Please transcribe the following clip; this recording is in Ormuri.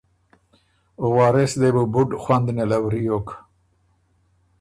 او وارث دې بُو بُډ خوَند نېله وریوک۔